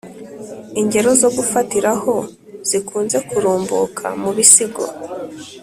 lngero zo gufatira ho zikunze kurumbukà mu bisigo